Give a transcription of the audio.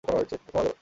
প্রথম আলো